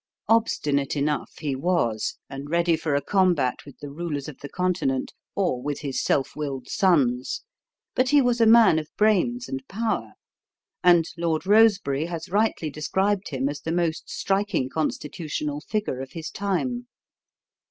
Obstinate enough he was, and ready for a combat with the rulers of the Continent or with his self willed sons; but he was a man of brains and power, and Lord Rosebery has rightly described him as the most striking constitutional figure of his time.